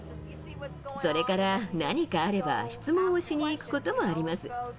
それから何かあれば、質問をしに行くこともあります。